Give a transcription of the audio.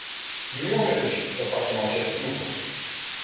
Nu am reușit să facem acest lucru.